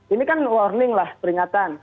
ini kan warning lah peringatan